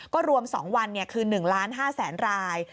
ก็รวม๒วันคือ๑๕๐๐๐ราย